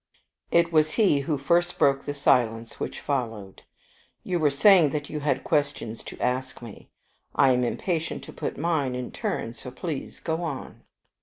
It was he who first broke the silence which followed. "You were saying that you had questions to ask me. I am impatient to put mine in return, so please go on."